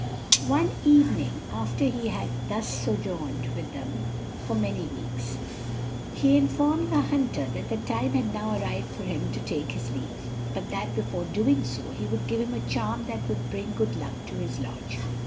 One evening, after he had thus sojourned with them for many weeks, he informed the hunter that the time had now arrived for him to take his leave, but that before doing so, he would give him a charm that would bring good luck to his lodge.